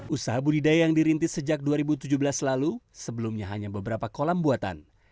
usaha budidaya yang dirintis sejak dua ribu tujuh belas lalu sebelumnya hanya beberapa kolam buatan